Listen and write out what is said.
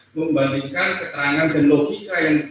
membalikan keterangan dan logika yang